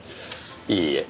いいえ。